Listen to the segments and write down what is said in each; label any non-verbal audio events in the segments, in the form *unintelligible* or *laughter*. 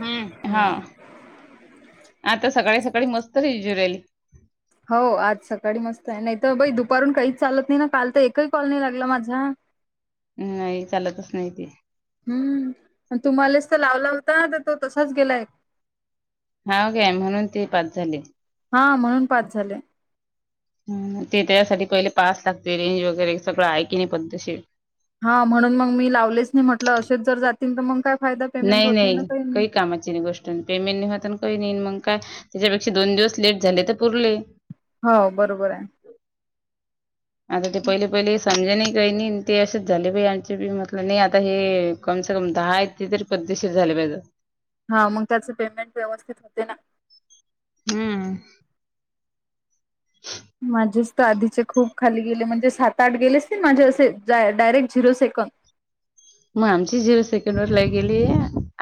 हम्म.. हा, आता सकाळी सकाळी मस्त रिजू राहिली. हो. आज सकाळी मस्त आहे, नाही तर बाई दुपारून काहीच चालत नाही ना, काल तर एकही कॉल नाही लागला माझा. नाही चालतचं नाही ते. हम्म.. हम्म.. तुम्हालाच तर लावला होता, तर तो तसाच गेलाय. हाव का म्हणून ती पाच झाली. हा म्हणून पाच झाले. ते त्याच्यासाठी पहिले पास लागते रेंज वगैरे सगळं आहेऐ की नाही पद्धतशी. हा म्हणून मग मी लावलेच नाही म्हटलं असेच जर जातील तर मग काय. फायदा पेमेंट नाही होत नाही ना नाही काही कामाची नाही गोष्ट. पेमेंट होता कही नाही मग काय त्याच्यापेक्षा दोन दिवस लेट झाले तर पुरले. हो बरोबर आहे. आता ते पहिले पहिले समज नाही काही नाही ते असेच झाले बाई आमचे म्हटलं नाही आता हे. कमसे कम दहा इेतती तरी पद्देशीर झाले पाहिजे. हा मग त्याच पेमेंट व्यवस्थित होते ना. हम्म. माझेच तर आधीचे खूप खाली गेले म्हणजे सात आठ गेलेस नाही माझे असे डायरेक्ट झिरो सेकंड. मग आमची झिरो सेकंड वरला गेली.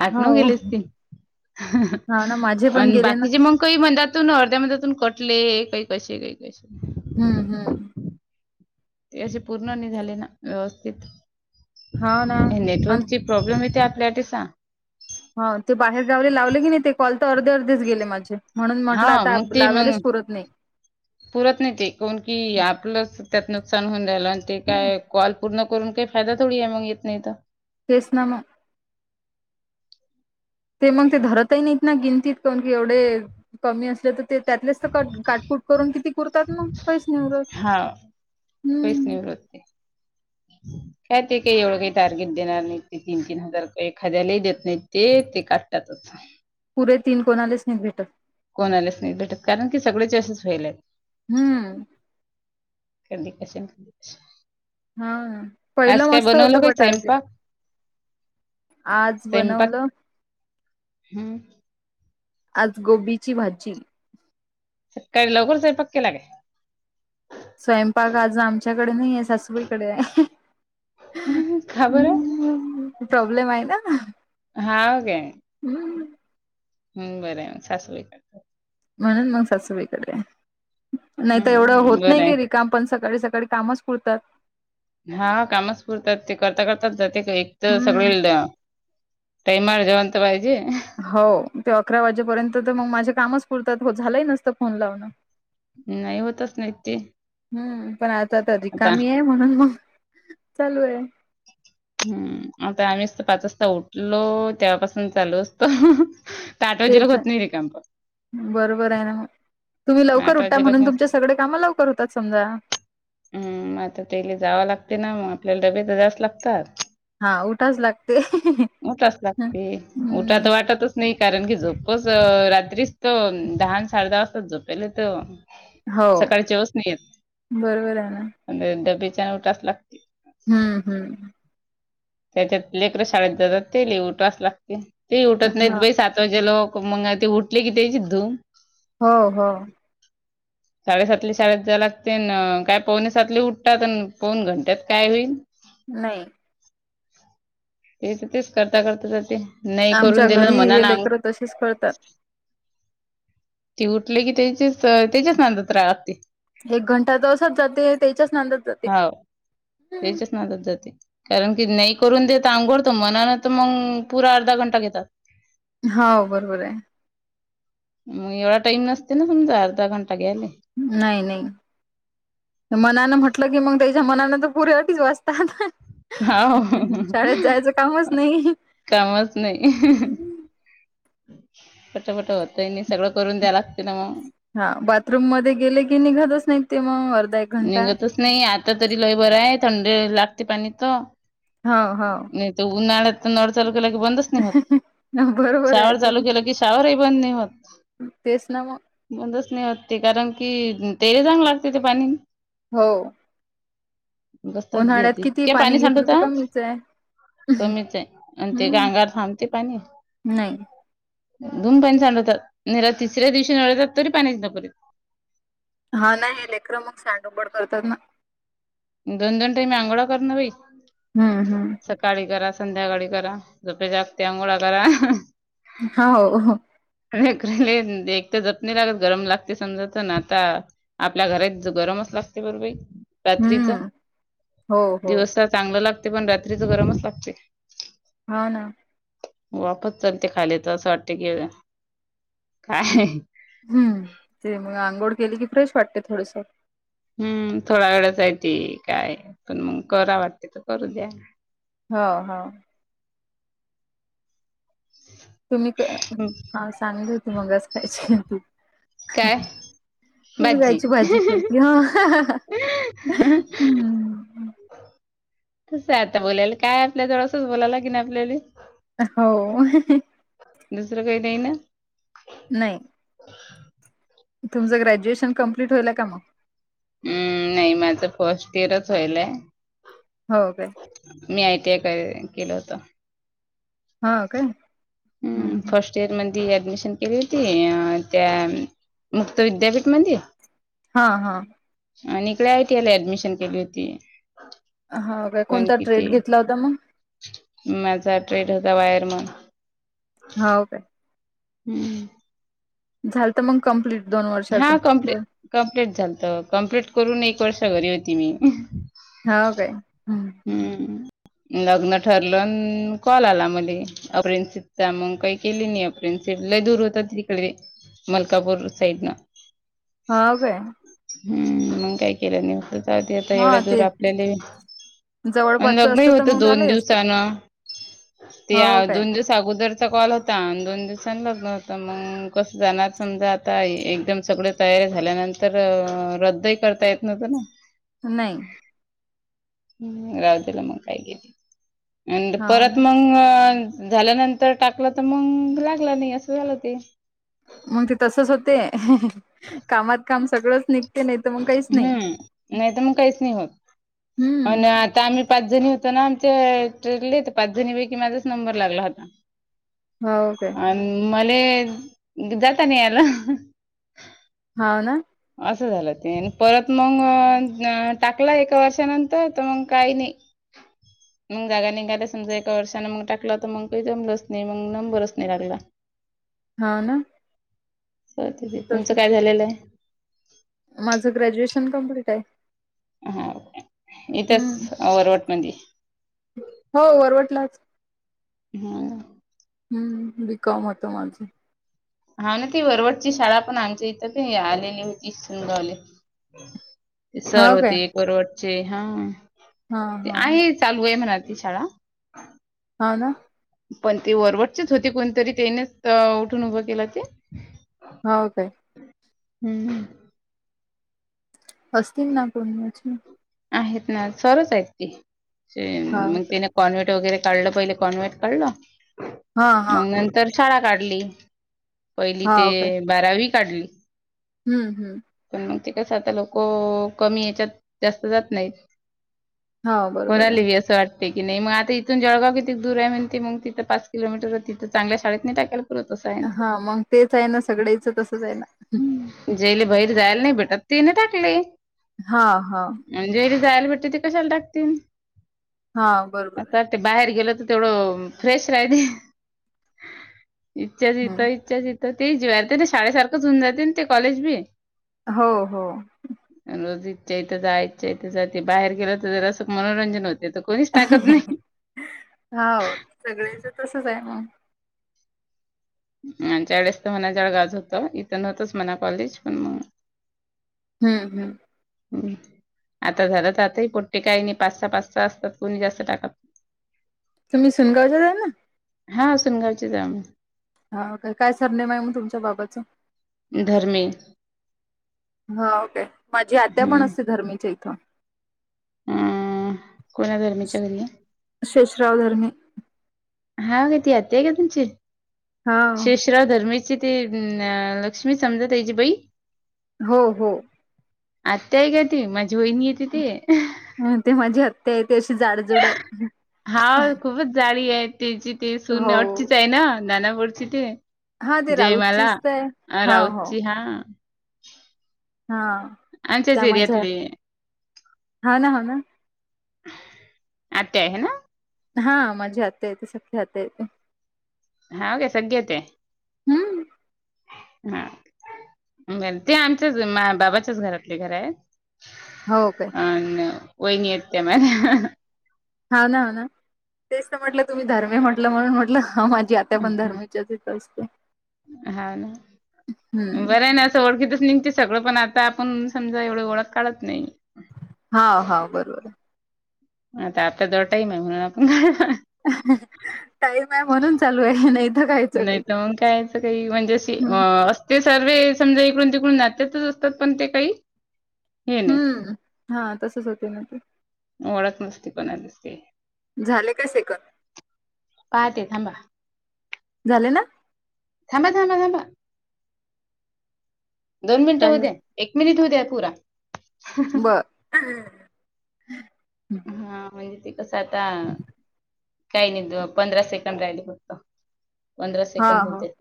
आठ नव हो गेलीस ती हा ना माझे पण आणि गेले ना बाकीचे मग काही म्हणतात. तू अर्ध्या मतून कटले काही कसे काही कसे. हम्म हम्म. ते असे पूर्ण नाही झाले ना व्यवस्थित हा ना आणि नेटवर्कची. प्रॉब्लेम येते आपल्यासाठी सांग. हा ते बाहेर जावले लावले की नाही ते कॉल तर अर्धे अर्धेच गेले माझे. म्हणून म्हटलं हा आता मग ते मग लावायलाच पुरत नाही. पुरत नाही ते कोण की आपलं त्यात नुकसान होऊन जाला आणि ते काय कॉल. पूर्ण करून का फायदा थोडी आहे मग इतना इत. तेच ना मग. ते मग ते धरतही नाहीत ना गिंतीत कोण की एवढे कमी असले तर. ते त्यातलेच तर कट काटपुट करून किती कुरतात मग काहीच नाही उरत. पैच हम्म. नाही उरत. हम *inaudible* काय ते काही एवढं काही टार्गेट देणार नाही ते तीन तीन हजार काही एखाद्यालाही देत नाही ते काढतात. थ *unintelligible* पुरे तीन कोणालेच नघ भेटत. कोण आलेच नाही भेटत कारण की सगळे जच वईल. हम्म. क कश ना कश. हा पहिलं मस्त काही होतं टारगेट. स्वयंपाक आज स्वयंपाक बनवलं. हम्म. आज गोबीची भाजी. आज काय लवकरच स्वयंपाक केलाय काय. स्वयंपाक आज आमच्याकडे नाही आहे सासूबाईकडे आहे. का बरं प्रॉब्लेम आहे ना ग. हाव हम्म. हम् बरं हाय सासू करतात. म्हणून मग सासुबाईंकडे नाही तर एवढं हम्म होत बरं नाही आहे कधी. का पण सकाळी सकाळी कामच कररतात. हा कामच पुरतात ते करता करताात जाते एक तर हम्म. सगळे. टईमर जेवंत पाहिजे. हो ते अकरा वाजेपर्यंत तर मग माझे कामच पुरतात झालं नसतं फोन लावणं. नाही होतच नाही ते. हम्म पण आता तरअधिक आता कामी आहे म्हणून मग चालू आहे. हम्म आता आम्हीच तर पाच वाजता उठलो तेव्हापासून चालू असता. त आठ वाजेला तेच होत नाही र कामपन. बरोबर आहे ना म तुम्ही लवकर आठ उठता वाजेला म्हणून मग तुमचे सगळे काम लवकर होतात समजा हम् आता तेले जावं लागते ना मग आपल्याला डबे तर करावेच लागतात हा उठाच लागते. उठाच लागते उठावं हम्म तर वाटतच नाही कारण की झोपच रात्रीच तो दहा अन साडे दहा वाजता झोपेल तो हो सकाळी चेवच नाही बरोबर आहे ना येत डबेच्यान उठावंच लागते हम्म हम्म त्याच्यात लेकर शाळेत जातात ते ले उठवाच लागते तेही उठत नाहीत हा. बई सात त जे लोक मंग ते उठले की ते द्यायची धून हो हो साडे सातले शाळेत जायलागते अन काय पावणे सातले उठतात आणि पाऊण घंट्यात काय होईल नाही हे तर तेच करता करता ज ते नाही आमच्या करून दिलं घरी मना हे ना लेकरं तसेच करतात. ती उठले की त्याचीच त्याच्याच नादात रहाय लागते एक घंटा तर असच जाते त्याच्याच नादात जाते हाव. त्याच्याच नादात जाते कारण की नाही करून देत आंघोळ तर मनान तर मंग पुरा अर्धा घंटा घेतात हो बरोबर आहे मग एवढा टाईम नसते ना समजा अर्धा घंटा घ्यायला नाही नाही मनानं म्हटलं की मग त्याच्या मनान तर पुऱ्यासाठीच बसतात हाव शाळेत जायचं कामच नाही कामच नाही फटाफटा होतय नाही सगळं करून द्याय लागते ना मग हा बाथरूम मध्ये गेले की निघतच नाही ते मग अर्धा एक घंटा निघतच नाही आता तरी लय बर आहे थंड लागते पाणी तर हो हो नाही उन्हाळ्यात नळ चालू केला की बंदच नाही होत बरोबर आहे शावर चालू केलं की शावर ही बंद नाही होत तेचं ना मग बंदच नाही होतं ते कारण की तेर चांगलं लागते ते पाणी हो बसतात उन्हाळ्यात घेत किती ते पाणी घेतलं तर सांडवता कमीच आहे. कमीच आहे आणि ते काय हम्म अंगावर थांबते पाणी नाही दोन पाणी सांडवतात आणि तिसऱ्या दिवशी नळतात तरी पाणी *unintelligible* हा नाही हे लेकर मग *unintelligible* करतात ना दोन दोन टाईम अंघोळ्या करणारी हम्म हम्म सकाळी करा संध्याकाळी करा झोपते जागते आंघोळ्या करा हा हो हो एक तर झोप नाही लागत गरम लागते समजा तर ना आता आपल्या घरी गरमच लागते बरं बाई रात्रीच हम्म हो हो दिवसाच चांगलं लागतं पण रात्रीचं गरमच लागते हा ना वापस चालते खाली तर असं वाटते की काय हम्म ते मग आंघोळ केली की फ्रेश वाटते थोडंसं हम्म थोडा वेळाचय ते काय पण मग करा वाटते तर करू द्या हा हा तुम्ही हा सांगली होते मगच कायची त काय बाजी भाजी केलती हा. हं, तसं आहे आता बोलायला काय आपल्या जवळ असंच बोलायला किनी आपल्याले. हो. दुसरं काही नाही ईना. नाही. तुमचं ग्रॅजुएशन कंम्प्लीट होईल का मग? हम्म नाही. माझं फर्स्ट इयरच होईलय. हो काय. मी आय टी आय का केलं होत. हो काय. हम्म. हं, हं. फस् *unintelligible* ऍडमिशन केली होती त्या मुक्त विद्यापीठ मधी. हा. हा. आणि इकडे आय टी आयला ऍडमिशन केली होती. हा काय पण कोणता ट्रेड किती घेतला होता मग? माझा ट्रेड होता वायरमण. हो का. हम्म. झालंत मग कंम्प्लीट दोन वर्षाच. हा कम्प्लीट कम्प्लीट झालत. कंम्प्लीट करून एक वर्ष घरी होती मी. हो काय. हम्. हम्म. लग्न ठरलं न कॉल आला मध्ये. अपरेन्सचा मग काही केली नाही अपरिन्सला दूर होत तिकडे. मलकापूर साईडला. हा काय. हम्म. मग काय केलं नाही *unintelligible* आधी आता एवढ्या हां, दूर ते आपल्याला - - आणि जवळपासचं लग्नही असतं तर होत मग दोन झालंही असतं. दिवसान. ते हो काय? दोन दिवस अगोदरचा कॉल होता. दोन दिवसांनी लग्न होतं. मग कसं जाणार समजा आता एकदम सगळ - - तयारी झाल्यानंतर रद्दही करता येत नव्हतं ना. नाही. रावतेला मग काय गेले आणि हा परत ना मग लग्न झाल्यानंतर टाकलं तर मग लागलं नाही असं झालं ते. मग ते तसच होते. कामात काम सगळंच निघते नाही तर मग काहीच नाही हम्म. नाही तर मग काहीच नाही होत. हम्म आणि आता आम्ही पाच जणी होतो ना. आमच्या *unintelligible* त पाच जणीपैकी माझाच नंबर लागला होता. *inaudible* हो काय. अन् मले जाता नाइ आल. होना. असं झालं ते परत मग टाकला एका वर्षानंतर तर मग काही नाही. *inaudible* मग जागा निघाल्या समजा एका वर्षाने मग टाकलं. तर मग काही जमलंच नाही. मग नंबरच नाही लागला. *inaudible* हो ना. तर ते- ते तुमचं तसच काय होत. झालेलं आहे माझ ग्रॅज्युएशन कंप्लीट हाय. हा. इथच *unintelligible* मध्ये हो वरवटलाच. हम्. हम्म. बिकॉम होत माझं. हा ना ती वरवटची शाळा पण आमच्या इथं आलेली होती *unintelligible* ते सर हाव काय होते एक वरवटचे. हा. हा ते हा आहे - - चालू आहे म्हणा ती शाळा हा ना. पण ती वरवटचीच होती कोणतरी त्याने उठून उभं केला ते हो काय? हम्म. हस्ति नापूर नच आहेत ना सरच आहेत ते हा मग ते कॉन्व्हेट वगैरे काढलं पहिले कॉन्व्हेट काढल हा हा मग नंतर शाळा काढली. पहिली ते हाव काय बारावी काढली. हम्म हम्म. पण मग त कस आता लोक कमी याच्यात जास्त जात नाहीत. हा बरोबर आहे कोणाली असं वाटत. पैकी नाही मग आ इथून जळगाव किती दूर आहे म्हण मग तिं पाच किलोमीटर तिथं चगल्या शाळेत नाही टाकायला. पुरत असं आहे हा ते. मग तेच आहे ना सगळ्याचं तसंच आहे ना. जेले बाहेर जायला नाही भेटत त नाही टाकले. हा हा. म्हणजेरी जायला भेटते त ते कशाला टाकतील. हा बरोबर आहे. आता ते बाहेर गेल तर तेवढं फ्रेश राहिते. इच्छाच हम्म, यथं इच्छाचथं ते जते ना शाळेसारखंचऊन जाते ना ते कॉलेज बी हो हो. रोज इच्छ इथ जा इचच्या इथं जाते बाहेर गेलं तर असं मनोरंजन होते. कोणीच टाकत नाही. होा सगळ्याच तसच आहे मग आणि त्या वेळेस तर मणा जळ गाज होतं इथून होतंच मना कॉलेज पण मग हम्म हम्म. हम् आता झालं तर आताही पोट्टे काही नाही पाच सहा पाच सहा असतात कोणी जास्त टात *unintelligible* तुम्ही सुनगावच्या आहे ना. हा सुन घावचित जाम. हा काय काय सरनेम आहे मग तुमच्या बाबच धर्मे हा ओके माझी आत्या पण हम्म असते धर्मीच्या इथं. अ कोणा धर्मीेच्या घरी शशराव धर्म हा का ती आता का तुमची हाव शष राव धर्मीची ते अ लक्ष्मी समजा त्याची बाई. हो हो. आताय ग ती माझी वहिणी येते तेी ह ते माझी हत्या आहे त अशी जाडजुड आहे. हा खूपच जाडी आहे त्याची ते सुून हो. अटचीच आहे ना नाना पोडची ते हा ते जयमाला राऊतचीच तर आहे. अ हा हो. राऊतची हा. हा आमच्याच त्यामध्येझ्या एरियातली हा ना हा ना. आत आहे आहे ना. हा मजा आता येते सखी आात येत. हे सध्यते हम्म. हा. बर ते आमच्याच बाबाच्याच घरातले घर आहे. हो काय? अन वैन येत मला हा ना ना तेच तर म्हटलं तुम्ही धर्मय म्हटलं म्हणून म्हटलं ह माझी आत्या पण धर्म असत. हा ना हम्म बरं ना. चवळखीच निघते सगळं पण आता आपण समजा एवढं ओळख काढत नाही हा हा बरोबर आहे आता आता जो टाईम आहे म्हणून आपण कााईम आहे म्हणून चालू आहे नाही तर काहीच काही नाही तर मग काययचं काही म्हणजे अ हम्म अ ते सर्व समजा इकडून तिकडून नात्यातच असतात पण ते काही हे नाही हम्म हा तसच होते न ते ओळख नसती पणालीस ते झाले काय सेकंड पाह ते थांबा झाले ना थबा थां थबा दोन मिनिट काय होऊ द्या एक मिनिट होऊ द्या पुरा बरं हा म्हणजे ते कसं आता काही नाही पंधरा सेकंड राहिले होत पंधरा हा सेकंड हो होते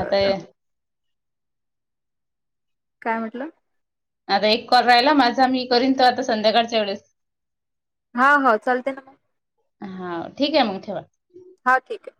आता काय म्हटलं आता एक कॉल राहिला माझा मी करन तो आता संध्याकाळच्या वेळेस हा हो चाल ना मग हा ठीक आहे मग ठेवा हा ठीक आहे